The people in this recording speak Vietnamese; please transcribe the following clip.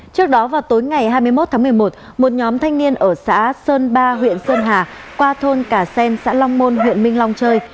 trước đó vào tối ngày hai mươi một tháng một mươi một một nhóm thanh niên ở xã sơn ba huyện sơn hà qua thôn cà sen xã long môn huyện minh long chơi